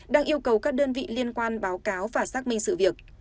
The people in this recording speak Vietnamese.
đang yêu cầu các đơn vị liên quan báo cáo và xác minh sự việc